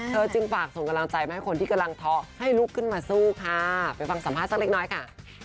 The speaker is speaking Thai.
จึงฝากส่งกำลังใจมาให้คนที่กำลังท้อให้ลุกขึ้นมาสู้ค่ะไปฟังสัมภาษณ์สักเล็กน้อยค่ะ